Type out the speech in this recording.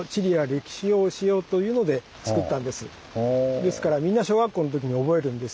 ですからみんな小学校のときに覚えるんです。